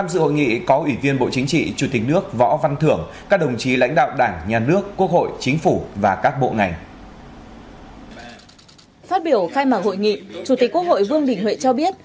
phát biểu khai mạc hội nghị chủ tịch quốc hội vương đình huệ cho biết